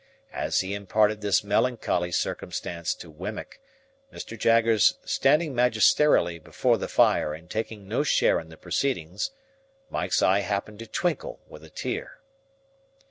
As he imparted this melancholy circumstance to Wemmick, Mr. Jaggers standing magisterially before the fire and taking no share in the proceedings, Mike's eye happened to twinkle with a tear.